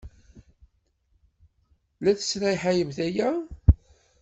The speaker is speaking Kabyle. La tesraḥayemt aya?